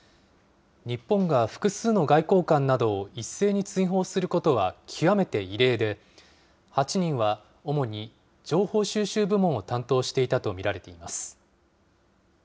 日本が複数の外交官などを一斉に追放することは極めて異例で、８人は主に情報収集部門を担当していたと見られています。